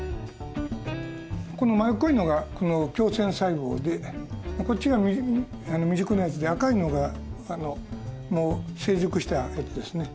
この丸っこいのがこの胸腺細胞でこっちが未熟なやつで赤いのがもう成熟したやつですね。